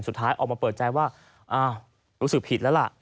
สุดท้ายออกมาเปิดใจว่าอ้าวรู้สึกผิดแล้วล่ะ